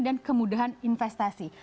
dan kemudahan investasi